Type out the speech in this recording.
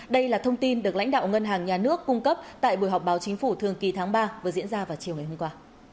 đây là thông tin được lãnh đạo ngân hàng nhà nước cung cấp tại buổi họp báo chính phủ thường kỳ tháng ba vừa diễn ra vào chiều ngày hôm qua